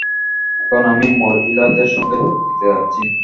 এখন আমি মহিলাদের সঙ্গে যোগ দিতে যাচ্ছি।